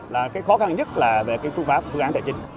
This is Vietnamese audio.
là cái khó khăn nhất là về cái phương pháp phương án tài chính